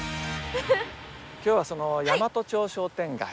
今日はその大和町商店街